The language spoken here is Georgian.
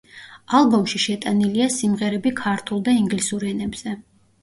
ალბომში შეტანილია სიმღერები ქართულ და ინგლისურ ენებზე.